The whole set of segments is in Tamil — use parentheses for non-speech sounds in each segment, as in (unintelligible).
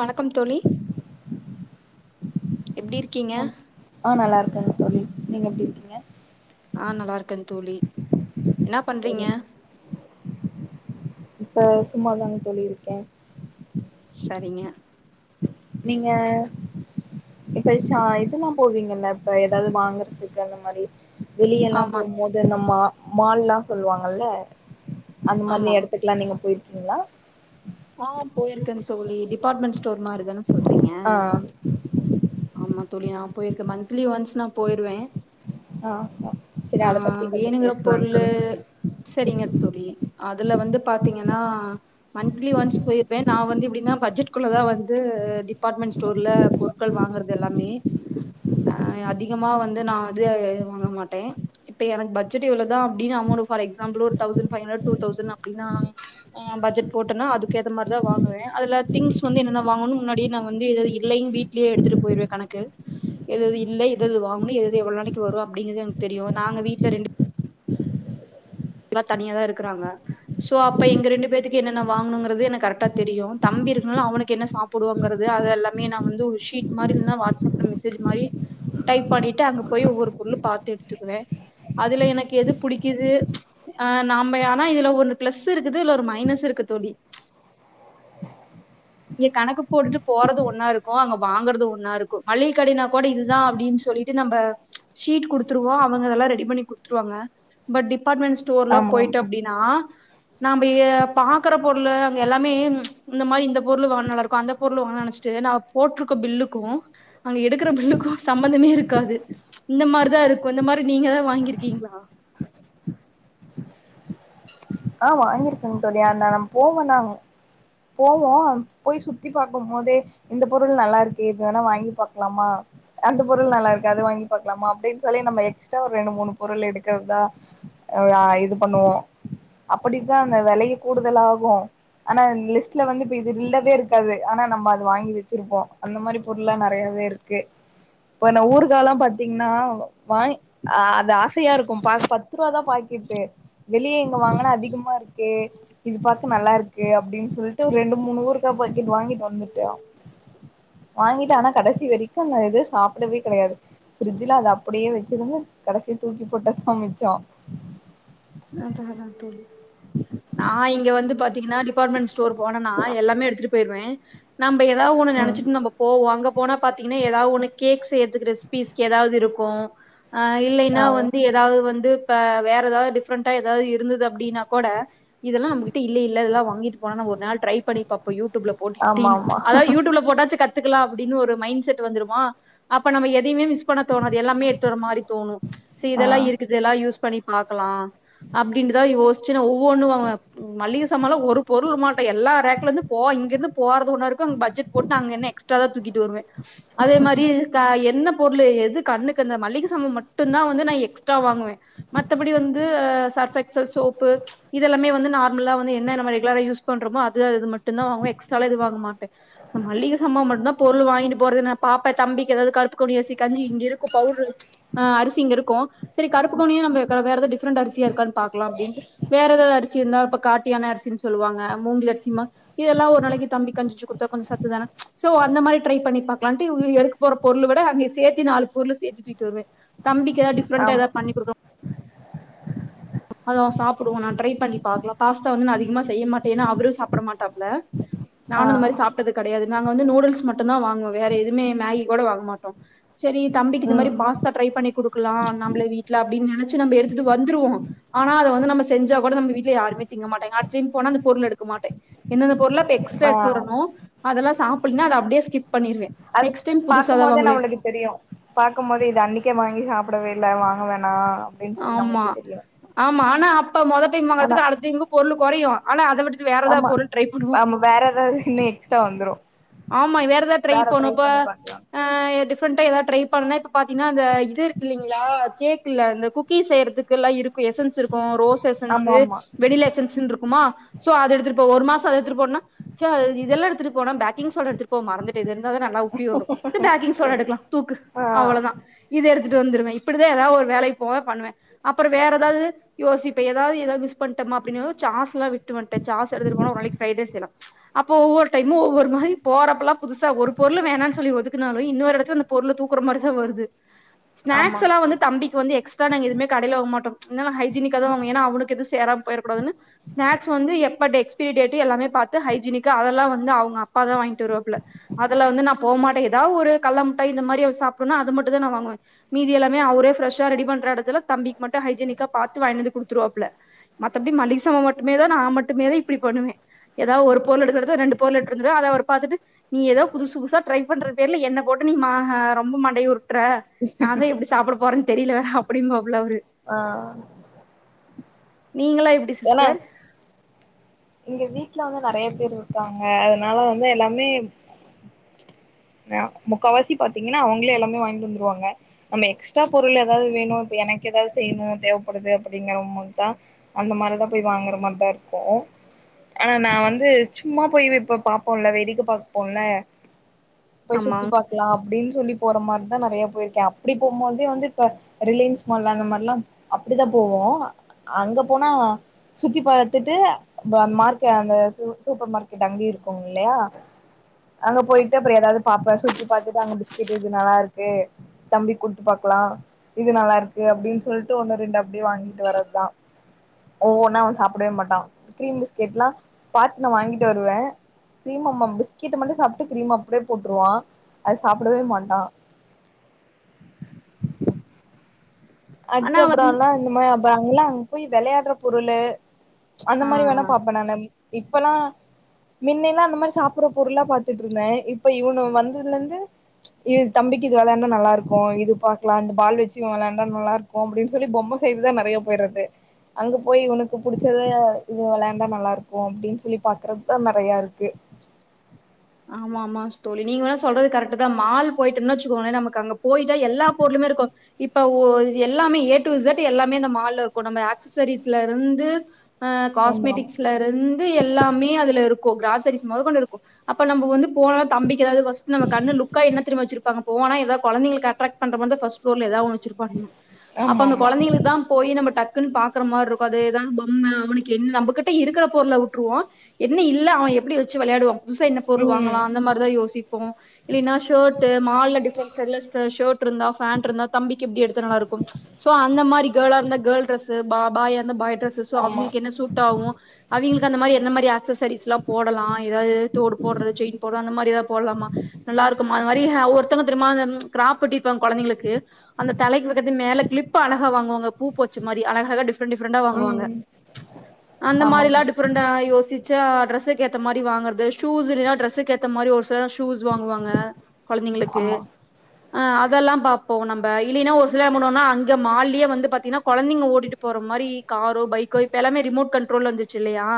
வணக்கம் தோழி எப்டி இருக் ஆ நா நல்லா இருக்கேங் தோழி நீங்க எப்டி இருக்கீங்க ஆ நல்லா இருக்கே தோழி என்ன பண்றீங்க சரிங்க இப்ப சும்மாதாங் தோழி இருக்கே சரிங்க நீங்க கழிச்சா இதெல்லா போவீங்கல்ல இப்ப எதாது வாங்குறதுக்கு அந்த மாரி வெளிய எல்லா ஆமா போகும்போது அந்த மா மால்லா சொல்லுவாங்கல்ல அந்த ஆமா மாரி இடத்துக்கு எல்லா நீங்க போயிருக்கீங்களா ஆ போயிருக்கே தோழி டிபார்ட்மெண்ட் ஸ்டோர் மாரிதான சொல்றீங்க ஆ ஆமா தோழி நா போயிருக்கே மந்த்லி ஒன்ஸ் நா போயிருவே ஆ சரி ஆ அத பத்தி கொஞ்சோ வேணுங்குற பேசலாங் பொருளு தோழி செரிங்க தோழி அதுல வந்து பாத்தீங்கன்னா மந்த்லி ஒன்ஸ் போயிருவே நா வந்து எப்டின்னா பட்ஜெட்க்குள்ளதா வந்து டிபார்ட்மெண்ட் ஸ்டோர்ல பொருட்கள் வாங்கறது து எல்லாமே அ அதிகமா வந்து நா வந்து வாங்க மாட்டே இப்ப எனக்கு பட்ஜட் இவ்ளோதா அப்டினு அமௌண்ட ஃபார் எக்ஸாம்பிள் ஒரு thousand five hundred two thousand அப்டினா ஆ பட்ஜட் போட்டேனா அதுக்கு ஏத்த மாரிதா வாங்குவே அதுல திங்ஸ் வந்து என்னன்ன வாங்கணு முன்னாடியே நா வந்து எழு இல்லைங்க வீட் வீட்லேயே எடுத்துட்டு போய்ருவே கணக்கு எதது இல்ல எதது வாங்கனு எதது எவ்ளோ நாளைக்கு வரு அப்டிங்கது எனக்கு தெரியு நாங்க வீட்ல ரெண்டு எல்லா தனியாதா இருக்குறாங்க சோ அப்ப எங்க ரெண்டு பேத்துக்கு என்னென்ன வாங்கணுங்கறது எனக்கு கரெக்டா தெரியு தம்பி இருக்குனால அவனுக்கு என்ன சா புடுவோங்குறது அது எல்லாமே நான் வந்து ஒரு ஷீட் மாரி இல்லனா வாட்ஸ் அப்ல மெசேஜ் மாரி டைப் பண்ணிட்டு அங்க போய் ஒவ்வொரு பொருள் பாத்து எடுத்துக்குவே அதுல எனக்கு எது புடிக்குது ஆ நாம்ம ஆனா இதுல ஒரு பளஸ் இருக்குது இல்ல ஒரு மைனஸ் இருக்கு தோழி இங்க கணக்கு போட்டுட்டு போறது ஒன்னா இருக்கு அங்க வாங்குறது ஒன்னா இருக்கு மள்ளிக கடனா கூட இதுதா அப்டின்னு சொல்லிட்டு நம்ம ஷீட் குடுத்துருவோ அவங்க அதெல்லா ரெடி பண்ணி குடுத்துருவாங்க பட் டிபார்ட்மெண்ட் ஸ்டோர்ல ஆமா போய்ட்டு ஆமா அப்டின்னு நா நாம பாக்குற பொருளு அங்க எல்லாமே இந்த மாரி இந்த இந்த பொருள் வாங்குனா நல்லா இருக்கு அந்த பொருள் வாங்க நெனைச்சிட்டு நா போட்டுருக்க பில்லுக்கு அங்க எடுக்குற பில்லுக்கும் சம்பந்தமே இருக்காது இந்த மாறி தா இருக்கு இந்த மாறி நீங்க எதா வாங்கிருக்கீங்களா ஆ வாங்கிருக்கங்க தோழி ஆ நான் போவன்னா போவோ போய் சுத்தி பாக்கும் போதே இந்த பொருள் நல்லா இருக்கே இது வேணா வாங்கி பாக்கலாமா அந்த பொருள் நல்லா இருக்கு அது வாங்கி பாக்கலாமா அப்டின்னு சொல்லி நம்ம எக்ஸ்ட்ரா ஒரு ரெண்டு மூணு பொருள் எடுக்கிறதா அ இது பண்ணுவோ அப்படித்தா அந்த வெலையை ல்லியூ கூடுதல் ஆகு ஆனா லிஸ்ட்ல வந்து இப்ப இது இல்லவே இருக்காது ஆனா நம்ம அது வாங்கி வச்சிருப்போ அந்த மாதிரி பொருள்ல்லாம் நெறையாவே இருக் க்கு இப்பநாஊருகால்லாம் பாத்தீங்கன்னா வாங்க் அ அது ஆசையா இருக்கு பா பத்து ரூபா தான் பாக்கெட்டு வெளியே எங்க வாங்குனா அதிகமா இருக்கே இது பாக்க நல்லா இருக்கு அப்டின்னு சொல்லிட்டு ஒரு ரெண்டு மூணு ஊறுகா பக்கெட் வாங்கிட்டு வந்துட்டோ வாங்கிட்டு ஆனா கடைசி வரைக்கு அந்த இது சாப்பிடவே கெடையாது பிரிட்ஜில அது அப்டியே வச்சிருந்து கடைசி தூக்கி போட்டதா மிச்சோ நா இங்க வந்து பாத்தீங்கன்னா டிபார்ட்மெண்ட் ஸ் சோர் போனனா எல்லாமே எடுத்துட்டு போயிருவேன் நம்ம ஏதாவது ஒன்னு ம் நெனைச்சிட்டு நம்போ போவோ அங்க போனா பாத்தீங்கன்னா ஏதாவ்து ஒண்ணு கேக் செய்யறதுக்கு ரெசிபிஸ்க்கு ஏதாவ்து இருக்கும் ஆ இல்லைன்னா ஆ வந்து ஏதாவது வந்து இப்ப வேற ஏதாவ்து டிஃப்ரெண் டா ஏதாவ்து இருந்தது அப்டின்னா கூட இதெல்லாம் நம்மகிட்ட இல்ல இல்ல இதெல்லா வாங்கிட்டு போன நாம ஒரு நாள் ட்ரை பண்ணி பாப்போம் யூடுயூப்ல போட்டு ஆமா அப்டினு ஆமா அதாது யூடுப்யூல போட்டாச்சி கத் துகலாம் அப்டின்னு ஒரு மைன்செட் வந்துருமா அப்ப நம்ம எதையுமே மிஸ் பண்ண தோனாது எல்லாமே எடுத்துவர மாரி தோணும் செரி ஆ இதெல்லாம் இருக்குது எல்லாம் யூஸ் பண்ணி பாக்கலாம் அப்டின்னுதா யோசிச்சுன்னா ஒவ்வொன்னும் வாங்குவேன் ம் மளிக சாமான்லா ஒரு பொருள் வுட மாட்டேன் எல்லா ரேக்லேருந்து போ இங்கிருந்து போற ஒன்ன இருக்கும் அங்க பட்ஜெட் போட்னு அங்க என்ன எக்ஸ் ட்ரா தா தூக்கிட்டு வருவேன் அதே மாரி க என்ன பொருள் எது கண்ணுக்கு அந்த மளிக சாமாமட்டும் தா வந்து நா எக்ஸ்ட்ரா வாங்குவேன் மத்த படி வந் து சர்ஃபெக்சல் சோப்பு இதெல்லாமே வந்து நார்மலா வந்து என்ன நம்ம ரெகுலரா யூஸ் பண்றோமோ அது அது மட்டும தா வாங்க எக்ஸ்ட்ரால எது வாங்க மாட்டேன் நா மளிக ஜாமா மட்டும்தா பொருள் வாங்கிட்டு போறது என் பாப்பேன் தம்பிக்கு ஏதாவ்து கருப்புக்கவுனி அரிசி கஞ்சி இங்க இருக்கு பவுட்ரூ ஆ அரிசி இங்க இருக்கும் செரி கருப்புக்கவுனியும் நம்ம க வேற எதா டிஃப் ப்ரெண்ட் அரிசியா இருக்கான்னு பாக்கலாம் அப்டின்ட்டு வேற ஏதாது அரிசி இருந்தா இப்ப காட்டு யான அரிசின்னு சொல்லுவாங்க மூங்கில் அரிசின்பா அரிசியெல்லாம் ஒரு நாளைக்கு தம்பி கஞ்சி வச்சு கொடுத்தா கொஞ்சம் சத்துதானே சோ அந்த மாரி ட்ரை பண்ணி பாக்கலாம்ட்டு இவுங்க எடு போற பொருள விட அங்கே சேத்தி நாலு பொருளு சேத்து கூட்டிட்டு வருவேன் தம்பிக்கு ஏதா டிஃப்ரெண்டா ஆமா ஏதா பண்ணி கொடுக்க அதா சாப்பிடுவோ நா ட்ரை பண்ணி பாக்லாம் பாஸ்தா வந்து நா அதிகமா செய்ய மாட்டேன் ஏன்னா அவரும் சாப்ட மாட்டாப்பல ம் நானும் இந்த மாரி சாப்பிட்டது கெடையாது நாங்க வந்து நூடுல்ஸ் மட்டும்தான் வாங்குவோ வேற எதுமே மேகி கூட வாங்க மாட்டோம் செரி தம்பிக்கு இந்த மாரி ம் பாஸ்த்தா ட்ரை பண்ணி குடுக்கலாம் நம்ம வீட்டுல அப்படின்னு நினச்சு நம்ம எடுத்துட்டு வந்துருவோம் ஆனா அத வந்து நம்ம செஞ்ச கூட நம வீட்டுல யாருமே திங்க மாட்டங்க அடுத்த டைம் போனா அந்த பொருள் எடுக்க மாட்டேன் எந்தந்த பொருள இப்ப எக்ஸ்ட்ரா எடுத்துட்டு ஆ வரணோ அதெல்லாம் சாப்பல்னா அத அப்டியே ஸ்கிப் பண்ணிருவே நெக்ஸ்டைம் புதுசா தான் வாங்குவே தெரியும் பாக்கும் போது இது அன்னைக்கே வாங்கி சாப்டவே இல்வ வாங்க வேணா அப்டின்னு சொல்லி ஆமா நம்மளுக்கு தெரியு ஆமா ஆனா அப்ப மொத டைம் ஆனா வாங்கறதுக்கு அடுத்த டைம் இங்க பொருளு குறையும் ஆனா அத விட்டு ஆமா ஆமா வேற ஏதாவது இன்னும் எக்ஸ்ட்ரா வந்துரும் ஆமா வேற ஏதாவ்து ட்ரை போணப்ப பாக்கலா அ டிஃப்ரெண்டா ஏதாவது ட்ரை பண்ணனா இப்ப பாத்தீங்கன்னா அந்த இது இருக்கு இல்லைங்களா கேக் இல்ல அந்த குக் கீ செய்யறதுக்கெல்லாம் இருக்கும் எசன்ஸ் இருக்கும் ரோஸ் ஆமா எசன்ஸு ஆமா வென்னிலா எசன்ஸ் இருக்குமா சோ அத எடுத்துட்டு ஒரு மாசொ அத எடுத்துட்டு போனா ச்ச இதெல்லாம் எடுத்துட்டு போனா பேக் சோ (inaudible) எடுத்துட்டு போ மறந்துட்டு இது இருந்தா தா நல்லா உப்பி வரும் சொ இந்தா கிங் சோட எடுக்கலாம் தூக்கு ஆ அவ்ளோதான் இது எடுத்துட்டு வந்துருவேன் இப்டிதான் ஏதாவ்து ஒரு வேலைக்கு போவ பண்ணுவேன் அப்புறம் வேற ஏதாவ்து யோசிபன் இப்ப ஏதாது ஏதாவ்து மிஸ் பன்ட்டா அப்டின்ன சாஸ் எல்லா விட்டு வந்துட்டேன் சாஸ் எடுத்துட்டு போனா ஒரு நாளைக்கு ஃப்ரைட் ரைஸ் செய்லாம் அப்போ ஒவ்வொரு டைமும் ஒவ்வொரு மாரி போறப்ப எல்லாம் புதுசா ஒரு பொருள் வேணான்னு சொல்லி ஒதுக்குனாலும் இன்னொரு எடத்துல அந்த பொருள் தூக்குற மாரிதான் வருது ஸ்நாக்ஸ் ஆமா எல்லா வந்து தம்பிக்கு வந்து எக்ஸ்ட்ரா நாங்க எதுவுமே கடைல வாங்கமாட்டோம் என்னால ஹைஜீனிக்கா தா வாங்குவ ஏன்னா அவனுக்கு எது சேராது போயிற கூடான்னு ஸ்ன்ஸ் வந்து எப்ப டேட்ஸ் எக்ஸ்பேரி டேட் எல்லாமே பாத்து ஹைஜினிக்காக் அது எல்லாம் வந்து அவுங்க அப்பா தா வாங்கிட்டு வருவாப்பல அதுல வந்து நா போகமாட்டேன் ஏதாவது ஒரு கல்லமுட்டாய் இந்த மாரி சாப்பணும்னா அது மட்டும் தா நா வாங்குவேன் மீதி எல்லாமே அவரே ஃப்ரெ்ஷா ரெடி பண்ற எடத்துல தம்பிக்கு மட்டு ஹைஜீனிக்கா பாத்து வாங்கி கொடுத்துருவாப்புல மத்தபடி மளிக சாமா மட்டுமே தா நான் மட்டுமேதா இப்டி பண்ணுவன் ஏதாவ்து ஒரு பொருள் எடுக்ற எடத்துல ரெண்டு பொருள் எடுக் கிட்டதட்ட அத அவர் பாத்துட்டு நீ ஏதோ புதுசு புதுசா ட்ரை பண்ற பெயர்ல என்ன போட்டு நீ மா ரொம்ப மண்டை உரு ட்ற நாங்க எப்டி சாப்ட போறோ தெர்ல அப்டியின்பாப்புல அவரு ஆ நீங்ளா எப்டி என்ன சிஸ்டர் இங்க வீட்ல வந்து நெறைய பேர் இருக்காங்க அதனால வந்து எல்லாமே அ முக்காவாசி பாத்தீங்கன்னா அவங்களே எல்லாமே வாங்கிட்டு வந்துருவாங்க நம்ம எக்ஸ்ட்ரா பொருள் ஏதாவது வேணு இப்ப எனக்கு ஏதாது செய்யணு தேவப்படுது அப்டிங்கறவங்கதா அந்த மாரி தா போய் வாங்குற மாரி தா இருக்கு ஆனா நா வந்து சும்மா போயி இப்ப பாப்போல்ல வேடிக்க பாப்போல்ல போய் சுத்தி ஆமாங்க பாக்கலா அப்டின் சொல்லி போற மாரிதா நறைய போயிருக்க அப்டி போம் போது வந்து இப்ப ரிலையன்ஸ் மால அந்த மாரில்லா அப்டிதா போவு அங்க போனா சுத்தி பாரத்துட்டு அந்த மார்கெட் அந்த சூப்பர் மார்க்கெட் அங்கயு இருக்கு இல்லையா அங்க போய்ட்டு அப்புறோ எதாது பாப்ப சுத்தி பாத்துட்டு அங்க பிஸ்கெட் எது நல்லாருக் கு தம்பிக் குடுத்து பாக்கலா இது நல்லா இருக்கு அப்டின் சொல்ட்டு ஒண்ணு ரெண்டு அப்டியே வாங்கிட்டு வரத்தா ஒவ்வொன்னா அவ சாப்டவே மாட்டா க்ரீம் பிஸ்கெட்ல்லா பாத்து நா வாங்கிட்டு வருவ க்ரீம் அம்மா பிஸ்கெட்ட மட்டு சாப்பட்டு கிரீம்ம அப்டியே போட்ருவா அத சாப்டவே மாட்டா சேரி அடுத்த அப்புறோ எல்லா இந்த மாரி அப்ப அங்கல்லா அங்க போய் வெளையாடுற பொருளு அந்த ஆ மாரி ஆ வேணா பாப்ப நானு இப்பல்லா மின்னெல்லா அந்த மாரி சாப்பிடுற பொருளா பாத்துட்டு இருந்த இப்ப இவனு வந்ததுலந்து இது தம்பிக்கு இது வெளாண்டா நல்லா இருக்கு இது பாக்கலா இந்த பால் வச்சி இவ வெளாண்டா நல்லா இருக்கு அப்டின் சொல்லி பொம்ம சைடுதா நறையா போயிறது அங்க போயி உனக்கு புடிச்சது இது வெளையாண்டா நல்லா இருக்கு அப்டின்னு சொல்லி பாக்குறத்தா நெறையா இருக்கு ஆமா ஆமா தோழி நீங்க வேனா சொல்றது கரெட்டு தா மால் போய்ட்டுன் வச்சுக்கோங்கள நமக்கு அங்க போய்ட்டா எல்லா பொருளுமே இருக்கு இப்ப ஓ எல்லாமே ஏ டு இசட் எல்லாமே இந்த மால்ல இருக்கு நம்ம அக்சசரிஸ்ல இருந்து அ ஆமா காஸ்மெட்டிக்ஸ்ல இருந்து எல்லாமே அதுல இருக்கு கிராசரிஸ் மொத கொண்டு இருக்கு அப்ப நம்ம வந்து போலா தம்பிக் ஏதாது பஸ்ட் நம்ம கண்ணு லுக்காயி என்ன தெரிமா வச்சிருப்பாங்க போனா ஏதா கொழந்தைகளுக்கு அட்ரக்ட் பன்ற மா தா ஃபர்ஸ்ட் ஃப்ளோர்ல ஏதா ஒன்னு வச்சிருப்பானுங்க அப்ப ஆமா அந்த ஆமா கொழந்தைகளுக்கு தா போயி நம்ம டக்குன்னு பாக்குற மாருக்கு அது ஏதா பொம்ம அவனுக்கு என் நம்மகிட்ட இருக்கிற பொருல விட்ருவோ என்ன இல்ல அவ எப்டி வச்சி விளையாடுவா புதுசா என்ன பொருள் வாங்கலா ம் அந்த மாரிதா யோசிப்போ இல்லின்னா ஷர்ட்டு மால்ல டிஃப்ரண்ட் ஸ்டைல்ல ஷர்ட் இருந்தா பேண்ட் இருந்தா தம்பிக்கு இப்டி எடுத்தா நல்லா இருக்கும் சோ அந்த மாரி கேளா இருந்தா கேர்ள் ட்ரெஸ்சு பா பாயா இருந்தா பாய் ட்ரெஸ்சு சோ ஆமா அவங்களுக்கு என்ன சூ ஃப்ரூட் சூட் ஆவு அவிய்ங்களுக்கு அந்த மாரி என்ன மாரி அக்சசரிஸ்ல்லா போடலா ஏதாது தோடு போடுறது செயின் போடுற அந்த மாரி ஏதா போட்லாமா நல்லா இருக்குமா அது மாரி ஒருத்தங்க தெரிமா அந்த க்ராப் வெட்டிருப்பாங்க கொழந்தைங்களுக்கு அந்த தலைக்கு வைக்கிது மேல க்ளிப் அழகா வாங்குவாங்க பூ போச்சு மாதி அழகாழகா டிஃப் டிஃப்ரன் டிஃரெண்டா வாங்குவாங்க ம் அந்த ஆமா மாரில்லா ஆமா டிஃப்ரெண்டா யோசிச் சா ட்ரெஸுக்கேத்த மாரி வாங்கறது ஷூஸ் இல்லன்னா ட்ரெஸ்சுக்கேத்த மாரி ஒரு சில ஷூஸ் வாங்குவாங்க கொழந்தைங்களுக்கு ஆமா ஆ அதெல்லா பாப்போ நம்ப இல்லைன்னா ஒரு சில என்ன பண்ணுவோனா அங்க மால்லயே வந்து பாத்தீங்னா கொழந்தைங்க ஓட்டிட்டு போற மாரி காரோ பைக்கோ இப்ப எல்லாமே ரிமோட் கண்ட்ரோல் வந்துச்சு இல்லையா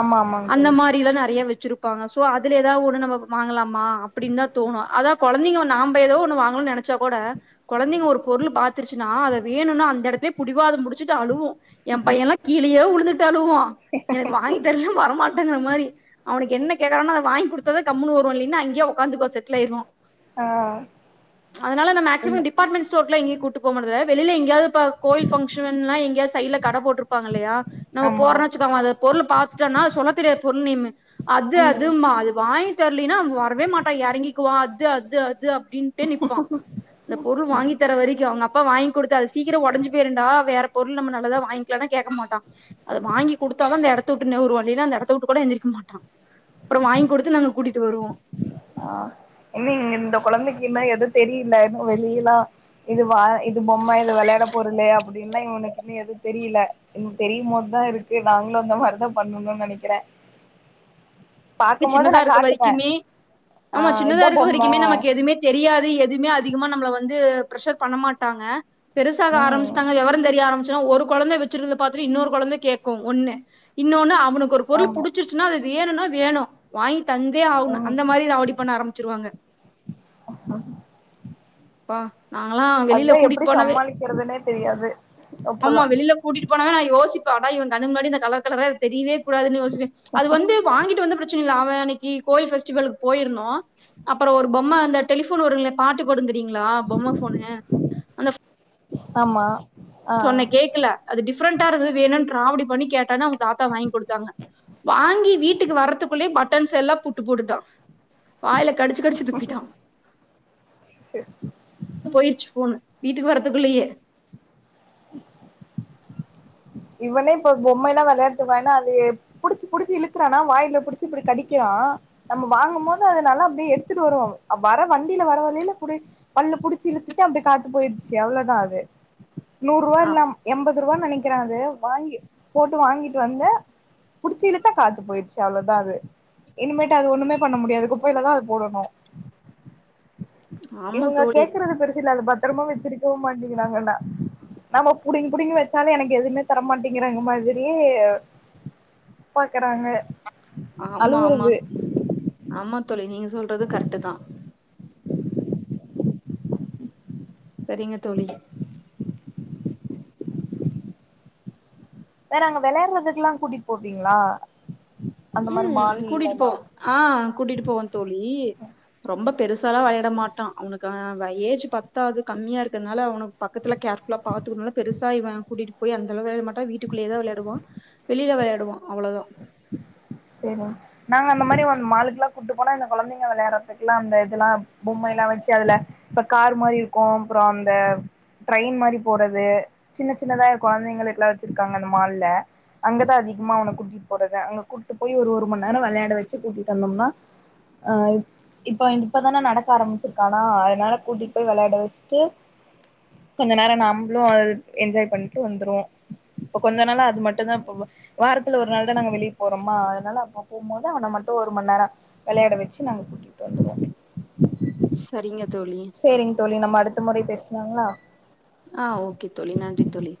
ஆமா ஆமாங்க அந்த தோழி மாரிலா நெறைய வச்சிருப் பாங்க சோ அதுல ஏதா ஒன்னு நம்ம வாங்கலாமா அப்பிடின் தா தோணு அதா கொழந்தைங்க நாம்ப ஏதோ ஒண்ணு வாங்கணுன் நெனக் ச்சா கூட கொழந்தைங்க ஒரு பொருள் பாத்திருச்சின்னா அத வேணுன்னா அந்த எடத்தே புடிவாதோ புடிச்சுட்டு அழுவு எ பையன்ல்லா கீழயே உழுந்துட்டு அழுவா எனக்கு வாங்கி தரல வரமாட் ங்கள மாரி அவனுக்கு என்ன கேக்காரோனா அத வாங்கி குடுத்தாதா கம்முனு வருவா இல்லீனா அங்கேயே உட்காந்துப்பா செ ட்டில் ஆயிருவா ஆ அதனால நா மேக்சிமம் என்ன டிபார்ட்மெண்ட்ஸ் சோட்டல எங்கயு கூட்டு போக மாட்ற வெளியில எங்கயாவுது கோயில் பங்கஷன்னா எங்காயவுது சைடுல கட போட்ருப்பாங்க இல்லையா நம் ஆமா போறனுச்சிக் அவ அது பொருள பாத்துட்டானா சொல்ல தெரியா பொருள் நேமு இது அது ம் அதுமா அது வாங்கி தரலீனா வரவே மாட்டா எறங்கிக்குவா அது அது அது அப்டின்னு அப்டியே நிப்பா அந்த பொருள் வாங்கி தர வரைக்கு அவுங்க அப்பா வாங் கி குடுத்த அது சீக்கிரோ உடைஞ்சு போயிருண்டா வேற பொருள் நம்ம நல்லதா வாங்கிக்கலானா கேக்க மாட்டா அத வாங்கி குடுத்தா தா அந்த எடத்த வுட்டு நெவுருவா அந்த எடத்து வுட்டு கூட எந்திரிக்க மாட்டா அப்றோ வாங்கி குடுத்து நாங்க கூட்டிட்டு வருவோ ஆ இன்னங் இந்த கொழந்தைக்கு இன்னு எது தெரில எதுவு வெளியல்லா இது வா இது பொம்ம இது வெளையாட பொருளு அப்டின்னா இவனுக்கு இன்னு எது தெரியில ம் தெரியும்போது தா இருக்கு நாங்களு அந்த மாரிதா பண்ணுனு நெனைக்கிற (unintelligible) ம் சின்னதா இருக்க காட்டுவே வரிக்குமே ஆ ஆமா சின்னதா இதா இருக்க பொம்ம வரிக்குமே நமக்கு எதுமே தெரியாது எதுமே அதிகமா நம்மள வந்து பிரஷர் பண்ண மாட்டாங்க பெருசாக ம் ஆரம்பச்சிட்டாங்க வெவரோ தெரிய ஆரம்பிச்சா ஒரு குழந்தை வச்சிருந்து பாத்தட்டு இன்னொரு கொழந்த கேக்கு ஒன்னு இன்னொன்னு அவனுக்கு ஒரு பொருள் ஆமா புடிச்சி ன்னா அது வேணுனா வேணு வாங்கி தந்தே ஆவுணு ம் அந்த மாதிரி ராடி பண்ண ஆரம்பச்சிருவாங்க (unintelligible) ப்பா நாங்கெல்லா வெளியில கூட்டிட்டு போனாவே நிக்கிறதுனே தெரியாது ஆம்மா அப்பல்லா வெளில கூட்டிட்டு போனே நா யோசிப்ப ஆகா இவ கண்ணு முன்னாடி இந்த கலர் கலரா தெரியவே கூடாதுன்னு யோசிப்பே அது வந்து வாங்கிட்டு வந்து பிரச்சனை இல்ல அவன் அன்னைக்கி கோயில் பெஃபஸ்டிவலுக்கு போயிருந்தோ அப்றோ ஒரு பொம்ம அந்த டெலிபோன் வருங்கள பாட்டு பாடு தெரியுங்ளா பொம்ம ஃபோனு ஆமா ஆ சொன்னே கேக்கல அது டிஃப்ரெண்டா இருக்கு வேணுன்னு ராவிடி பண்ணி கேட்டானு அவுங்க தாத்தா வாங்குடுத்தாங்க வாங்கி வீட்டுக்கு வரறதுக்குள்ளே பட்டன்ஸ்யெல்லா புட்டு போட்டுட்டா வாயில கடிச்சு கடிச்சு துப்பிட்டா ட்டு போயிருச்சு ஃபோன் வீட்டுக்கு வரறதுக்குள்லையே (inaudible) இவனே இப்ப பொம்மைல்லா வெளாட்டுவான்னா அது புடிச்சி புடிச்சி இலுக்குறான்னா வாயில புடிச்சு இப்டி கடிக்கிறா நம்ம வாங்கு போது அது நல்லா அப்டியே எடுத்துட்டு வரு வர வண்டியில வர வழில கூட பல்லு புடிச்சு இலுதுட்டு அப்டி காத்து போயிருச்சு அவ்ளோதா அது நூறுவா ஆ இல்ல எண்பது ரூவானு நெனைக்கிற அது வாங்கி போட்டு வாங்கிட்டு வந்து புடிச்சி இழுத்தா காத்து போயிடுச்சு அவ்ளோதா அது இனிமேட் அது ஒன்னுமே பண்ண முடியாது குப்பைல தா அது போடணு ஆமா இவுங்க தோழி கேக்குறது பெருசுல்ல அது பத்திரமா வச்சீருக்கவு மாட்டீங்கீறாங்கன்னா நம்ம புடிங்கு புடிங்கு வச்சாலு எனக்கு எதுமே தரமாட்டேங்குறாங்க மாதிரி பாக்கறாங்க ஆமா ஆமா ஆமா தோழி நீங்க சொல்றது கரெக்ட் தா சரிங்க தோழி வேற அங்க வெளயாடுறதுக்குல்லா கூடிட்டு போவீங்ளா ம் கூட்டிட்டு போவோ ஆ கூட்டிட்டு போவோ தோழி ரொம்ப பெருசாலா வெளையாட மாட்டா அவுனுக்கு ஏஜு பத்தாது கம்மியா இருக்றனால அவுனுக் பக்கத்துல கேர்ஃபுல்லா பாத்துக்குணுனு பெருசா இவ கூட்டிட் போய் அந்த அளவு வெளயாடா மாட்டா வீட்டுக்குள்ளே தா வெளாடுவா வெளியில வெளாடுவா அவ்ள தா சேரி நாங்க அந்த மாரி ஒன் மாளுக்கெல்லா கூட்டு போனா இந்த கொழந்தைங்க வெளாறதுக்கெல்லா அந்த இதுலா பொம்மைலா வச்சி அதுல இப்ப கார் மாரி இருக்கு அப்றோ அந்த ட்ரெயின் மாரி போறது சின்ன சின்னதா கொழந்தைங்களுக்குலா வச்சிர்க்காங்க அந்த மால்ல அங்கதா அதிகமா அவன கூட்டிட் போறது அங்க கூட்டு போய் ஒரு ஒரு மணி நேர வெளயாட வச்சி கூட்டிட்டு வந்தோம்னா ஆ இப்ப இப்பதானே நடக்க ஆரம்பிச்சிருக்கானா அதனால கூட்டிட் போய் வெளயாட வெச்சுட்டு கொஞ்ச நேர நம்ளு அது என்ஜாய் பண்ட்டு வந்துருவோ இப்ப கொஞ்ச நாளா அது மட்டுதா இப்ப வாரத்துல ஒரு நாளு தா நாங்க வெளிய போறமா அதனால அப்ப போம் போது அவன மட்டு ஒரு மணி நேர வெளையாட வெச்சி நாங்க கூட்டிட்டு வந்துருவோ சரிங்க தோழி சேரிங் தோழி நம்ம அடுத்த முறை பேசுளாங்களா ஆ ஓகே தோழி நன்றி தோழி